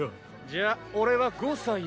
じゃあ俺は５歳だ。